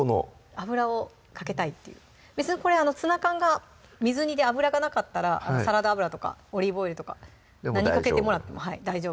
油をかけたいっていう別にこれツナ缶が水煮で油がなかったらサラダ油とかオリーブオイルとか何かけてもらっても大丈夫です